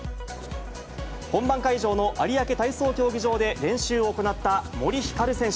本番会場の有明体操競技場で練習を行った森ひかる選手。